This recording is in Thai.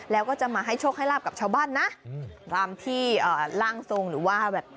แล้วก็จะมาให้โชคให้ลาบกับชาวบ้านนะอืมตามที่ร่างทรงหรือว่าแบบ